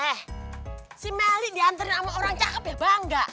eh si melly diantarin sama orang cakep ya bangga